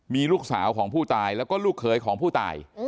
มีลูกสาวของผู้ตายแล้วก็ลูกเขยของผู้ตาย